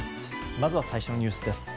まずは最初のニュースです。